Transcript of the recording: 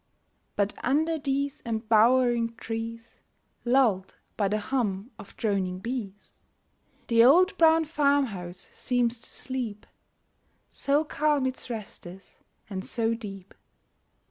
But under these embowering trees, Lulled by the hum of droning bees, The old brown farmhouse seems to sleep, So calm its rest is and so deep.